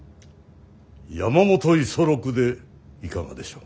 山本五十六でいかがでしょう？